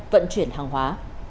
vận chuyển hàng hóa